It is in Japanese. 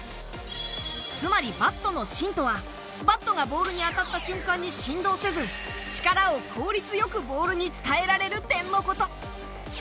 つまりバットの芯とは、バットがボールに当たった瞬間に振動せず、力を効率よくボールに伝えられる点のこと。